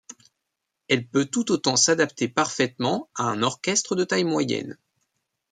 Elle peut tout autant s'adapter parfaitement à un orchestre de taille moyenne.